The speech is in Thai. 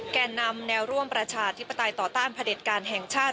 แก่นำแนวร่วมประชาธิปไตยต่อต้านพระเด็จการแห่งชาติ